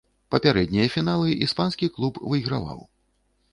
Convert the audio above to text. Папярэднія фіналы іспанскі клуб выйграваў.